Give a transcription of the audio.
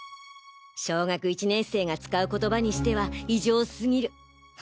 小学一年生が使う言葉にしては異常過ぎる。